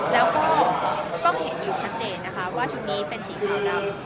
แล้วก็ต้องเห็นอยู่ชัดเจนนะคะว่าชุดนี้เป็นสีขาวดำ